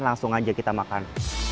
langsung aja kita makan